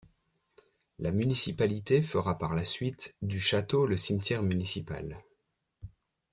La municipalité fera par la suite du château le cimetière municipal.